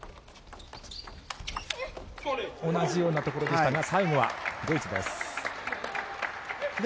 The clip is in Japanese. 同じようなところでしたが最後はドイツです。